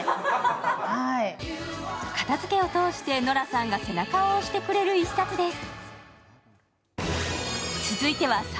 片づけを通してノラさんが背中を押してくれる一冊です。